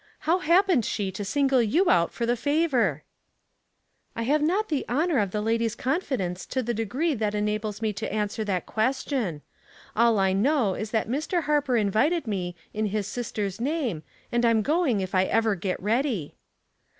How happened she to single you out for the favor? " 282 Household Puzzles, "I have not the honor of the lady's confi dence to the degree that enables me to answer that question. All I know is that Mr. Harper invited me, in his sister's name, and I'm going if I ever get ready."